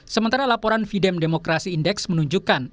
sementara laporan videm demokrasi index menunjukkan